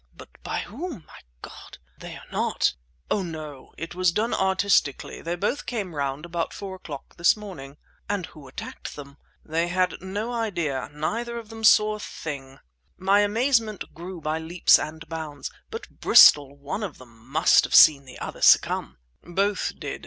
But by whom! My God! They are not—" "Oh, no! It was done artistically. They both came round about four o'clock this morning." "And who attacked them?" "They had no idea. Neither of them saw a thing!" My amazement grew by leaps and bounds. "But, Bristol, one of them must have seen the other succumb!" "Both did!